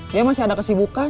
dia masih ada kesibukan